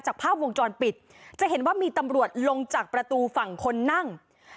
ภาพวงจรปิดจะเห็นว่ามีตำรวจลงจากประตูฝั่งคนนั่ง